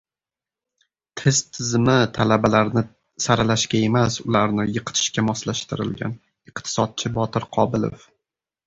«Test tizimi talabalarni saralashga emas, ularni yiqitishga moslashtirilgan» - iqtisodchi Botir Qobilov